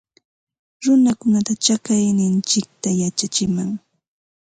Runakunata yachayninchikta yachachinam